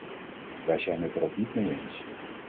Wij zijn het er ook niet mee eens.